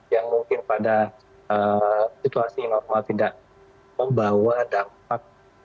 yang mungkin pada situasi normal tidak membawa dampak